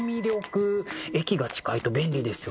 駅が近いと便利ですよね。